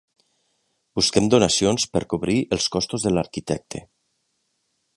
Busquem donacions per cobrir els costos de l'arquitecte.